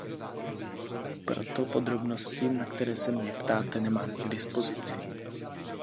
Proto podrobnosti, na které se mě ptáte, nemám k dispozici.